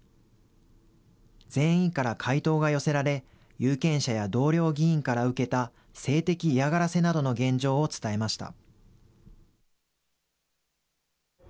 全員から回答が寄せられ、有権者や同僚議員から受けた性的嫌がらせなどの現状を伝えました。